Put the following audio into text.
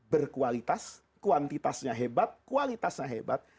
berkualitas kuantitasnya hebat kualitasnya hebat